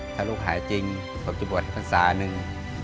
ถ้าลูกหายจริงผมจะบ่นให้ภาษาหนึ่ง